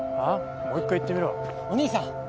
もう１回言ってみろお兄さん！